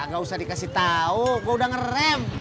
gak usah dikasih tahu gue udah ngerem